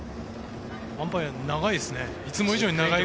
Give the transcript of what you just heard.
アンパイア、長いですね。